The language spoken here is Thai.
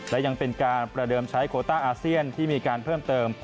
และยังเป็นการประเดิมใช้โคต้าอาเซียนที่มีการเพิ่มเติม